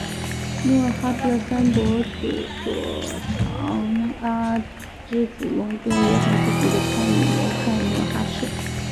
努尔哈赤的三伯祖索长阿之子龙敦也很积极地参与谋害努尔哈赤。